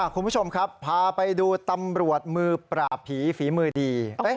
คุณผู้ชมครับพาไปดูตำรวจมือปราบผีฝีมือดี